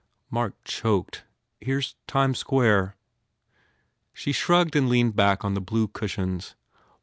Mark choked, "Here s Times Square." She shrugged and leaned back on the blue cush ions.